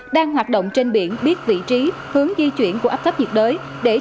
đang hoạt động trên biển biết vị trí hướng di chuyển của áp thấp nhiệt đới